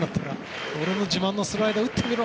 俺の自慢のスライダー打ってみろ！